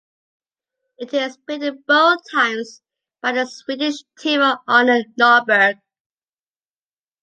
It is beaten both times by the Swedish team of Anette Norberg.